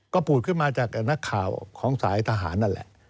ก็ผูดขึ้นมาจากนักข่าวของสายทหารนั่นแหละ